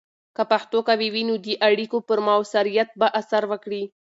که پښتو قوي وي، نو د اړیکو پر مؤثریت به اثر وکړي.